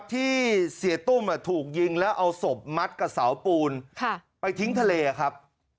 ที่เสียตุ้มถูกยิงแล้วเอาศพมัดกับเสาปูนไปทิ้งทะเลครับ